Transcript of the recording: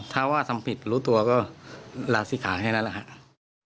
ถ้าว่าทำผิดรู้ตัวก็ลาศิขาแค่นั้นแหละครับ